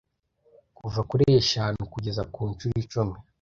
kuva kuri eshanu kugeza ku nshuro icumi